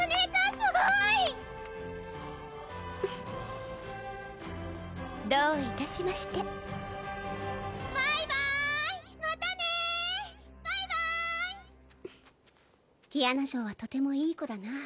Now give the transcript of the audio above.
すごいどういたしましてバイバーイまたねーバイバーイティアナ嬢はとてもいい子だな